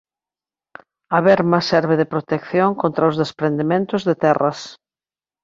A berma serve de protección contra os desprendementos de terras.